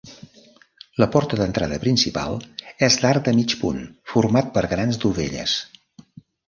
La porta d'entrada principal, és d'arc de mig punt, format per grans dovelles.